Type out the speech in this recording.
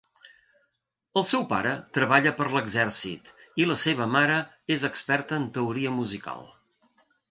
El seu pare treballa per l'exèrcit i la seva mare és experta en teoria musical.